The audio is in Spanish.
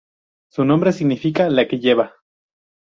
Su nombre, significa ""la que lleva"".